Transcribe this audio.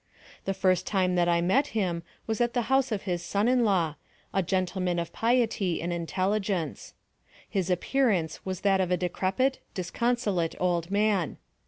The first time that I met him was at the house of his son in law, a gentleman of piety and intelligence. His appearance was that of a decrepit, disconsolate old man.